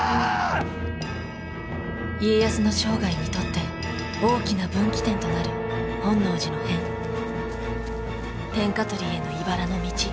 家康の生涯にとって大きな分岐点となる本能寺の変天下取りへのいばらの道